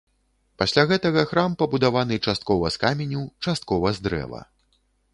Пасля гэтага храм пабудаваны часткова з каменю, часткова з дрэва.